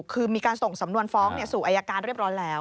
คือมีการส่งสำนวนฟ้องสู่อายการเรียบร้อยแล้ว